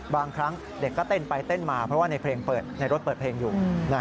บางครั้งเด็กก็เต้นไปเต้นมาเพราะว่าในเพลงในรถเปิดเพลงอยู่